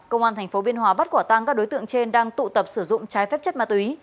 công an thành phố biên hòa bắt quả tăng các đối tượng trên đang tụ tập sử dụng trái phép chất ma túy